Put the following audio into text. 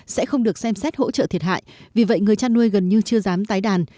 sẽ không được xem xét hỗ trợ thiệt hại vì vậy người chăn nuôi gần như chưa dám tái đàn